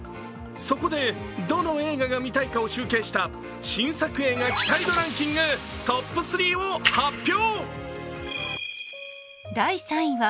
そこで、どの映画が見たいかを集計した新作映画期待度ランキングトップ３を発表。